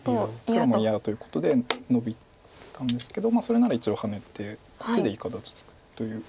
黒も嫌だということでノビたんですけどそれなら一応ハネてこっちでいい形という。